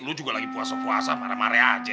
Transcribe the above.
lu juga lagi puasa puasa marah marah aja